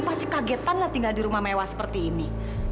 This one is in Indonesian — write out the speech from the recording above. pasti kagetan lah tinggal di rumah mewah seperti ini